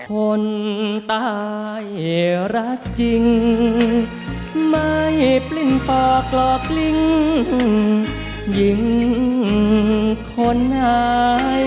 คนตายรักจริงไม่ปลิ้นปากหลอกลิ้งหญิงคนไหน